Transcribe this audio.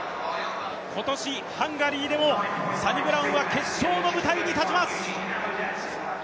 今年ハンガリーでもサニブラウンは決勝の舞台に立ちます。